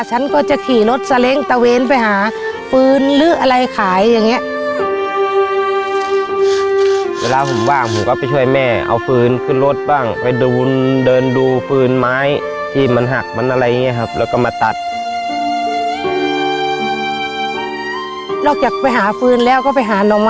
ฉันก็จะขี่รถสเล็งตะเว้นไปหาฟื้นหรืออะไรขายอย่างนี้